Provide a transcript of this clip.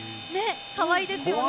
かわいいですよね。